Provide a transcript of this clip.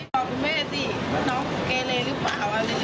น้ำแบบหนามากเลยเนื้อไหม้หมดเนี่ย